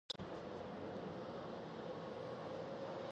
ქალაქის ისტორიულ ცენტრს აქვს ძეგლის სტატუსი.